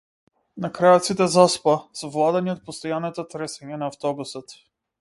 На крајот сите заспаа, совладани од постојаното тресење на автобусот.